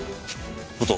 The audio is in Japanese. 武藤